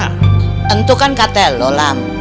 tentu kan kak tel lho lam